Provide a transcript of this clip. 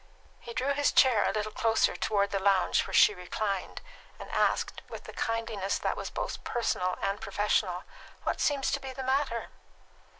He drew his chair a little toward the lounge where she reclined, and asked, with the kindliness that was both personal and professional, "What seems to be the matter?"